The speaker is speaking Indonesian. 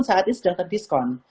saat ini sedang terdiskon